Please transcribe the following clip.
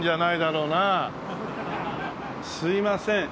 すみません。